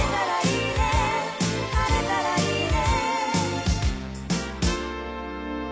「晴れたらいいね」